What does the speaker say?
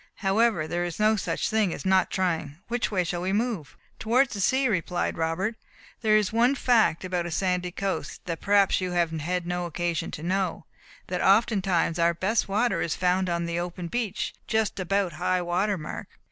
However, there is no such thing as not trying. Which way shall we move?" "Towards the sea," replied Robert. "There is one fact about a sandy coast, that perhaps you have had no occasion to know that oftentimes our best water is found on the open beach, just about high water mark.